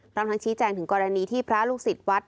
พร้อมทั้งชี้แจงถึงกรณีที่พระลูกศิษย์วัด